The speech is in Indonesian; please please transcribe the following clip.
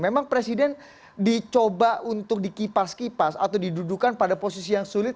memang presiden dicoba untuk dikipas kipas atau didudukan pada posisi yang sulit